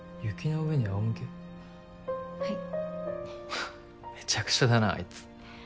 ははっめちゃくちゃだなあいつ。